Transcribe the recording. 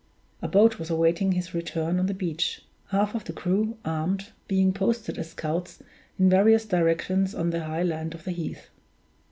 A boat was awaiting his return on the beach; half of the crew, armed, being posted as scouts in various directions on the high land of the heath.